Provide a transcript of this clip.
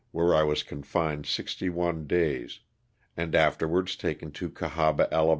where I was confined sixty one days, and afterwards taken to Cahaba, Ala.